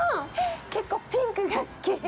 結構ピンクが好き。